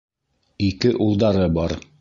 Ике улдары бар.